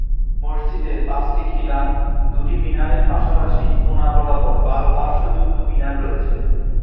মসজিদে পাঁচটি খিলান, দুটি মিনারের পাশাপাশি কোণা বরাবর বারো-পার্শ্বযুক্ত মিনার রয়েছে।